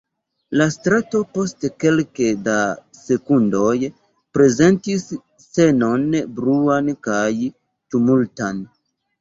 La strato post kelke da sekundoj prezentis scenon bruan kaj tumultan.